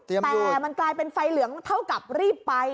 แต่มันกลายเป็นไฟเหลืองเท่ากับรีบไป